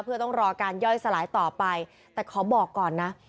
เพื่อต้องรอการย่อยสลายต่อไปแต่ขอบอกก่อนนะ